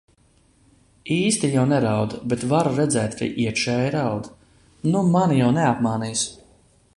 Īsti jau neraud, bet varu redzēt, ka iekšēji raud. Nu mani jau neapmānīsi.